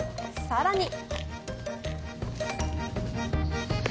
更に。